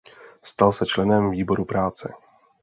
Stal se členem výboru práce.